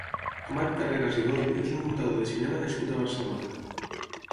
Amat Carreras i Doll és un muntador de cinema nascut a Barcelona.